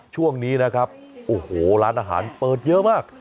ช่วงนี้นะครับโอ้โหร้านอาหารเปิดเยอะมาก